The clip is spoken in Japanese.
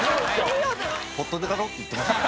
「ぽっと出だろ？」って言ってましたね。